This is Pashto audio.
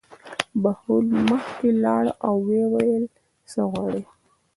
بهلول مخکې لاړ او ویې ویل: څه غواړې.